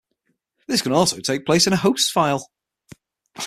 This can also take place in a hosts file.